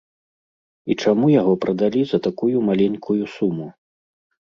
І чаму яго прадалі за такую маленькую суму?